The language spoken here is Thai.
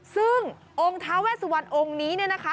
ซึ่งองค์ท้าเวสวันองค์นี้เนี่ยนะคะ